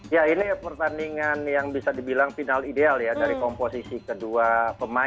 ya ini pertandingan yang bisa dibilang final ideal ya dari komposisi kedua pemain